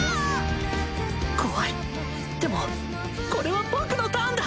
怖いでもこれは僕のターンだ！